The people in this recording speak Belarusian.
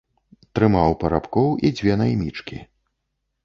Трымаў парабкоў і дзве наймічкі.